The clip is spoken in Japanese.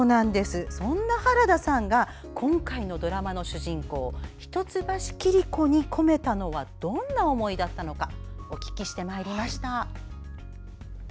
そんな原田さんが今回のドラマの主人公一橋桐子に込めたのはどんな思いだったのかお聞きしてまいりました。